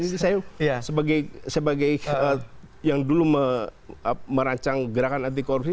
ini saya sebagai yang dulu merancang gerakan antikorupsi